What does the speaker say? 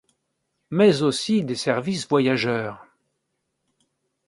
Mais aussi des services voyageurs.